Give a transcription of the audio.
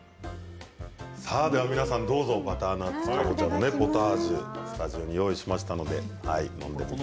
皆さんどうぞバターナッツかぼちゃのポタージュスタジオにご用意しましたので。